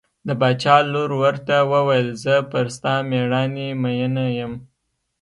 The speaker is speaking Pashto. د باچا لور ورته وویل زه پر ستا مېړانې مینه یم.